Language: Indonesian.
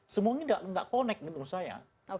semuanya tidak connect menurut saya